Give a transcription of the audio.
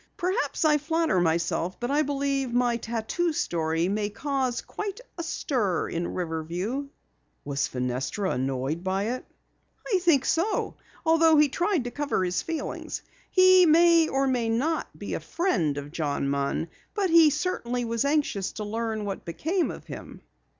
Perhaps I flatter myself, but I believe my tattoo story may cause quite a stir in Riverview." "Was Fenestra annoyed by it?" "I think so, Lou, although he tried to cover his feelings. He may or may not be a friend of John Munn, but he certainly was anxious to learn what became of him."